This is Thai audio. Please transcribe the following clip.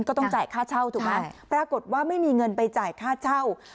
ก็ต้องจ่ายค่าเช่าถูกไหมปรากฏว่าไม่มีเงินไปจ่ายค่าเช่า